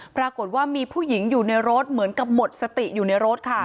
ปรากฏว่ามีผู้หญิงอยู่ในรถเหมือนกับหมดสติอยู่ในรถค่ะ